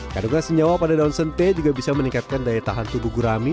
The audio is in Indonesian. kandungan senyawa pada daun sente juga bisa meningkatkan daya tahan tubuh gurami